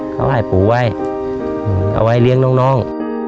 เขาให้ปู่ไว้เอาไว้เลี้ยงน้อง